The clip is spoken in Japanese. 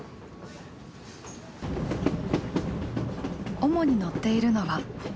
主に乗っているのはＳＬ列車。